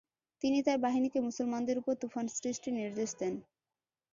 তিনি তার বাহিনীকে মুসলমানদের উপর তুফান সৃষ্টির নির্দেশ দেন।